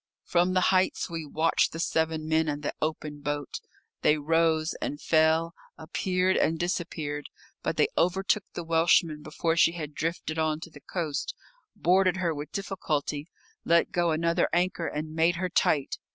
From the heights we watched the seven men and the open boat. They rose and fell, appeared and disappeared, but they overtook the Welshman before she had drifted on to the coast, boarded her with difficulty, let go another anchor and made her tight.